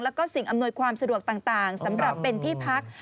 แล้วก็สิ่งอำนวยความสะดวกต่างสำหรับเป็นที่พัก